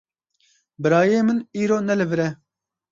Birayê min îro ne li vir e.